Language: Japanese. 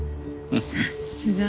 さっすが。